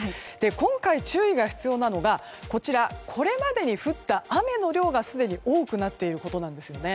今回、注意が必要なのがこれまでに降った雨の量がすでに多くなっていることなんです。